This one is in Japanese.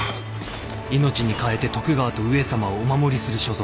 命に代えて徳川と上様をお守りする所存だ。